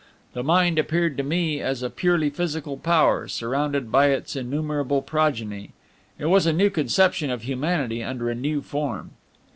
The Mind appeared to me as a purely physical power, surrounded by its innumerable progeny. It was a new conception of humanity under a new form.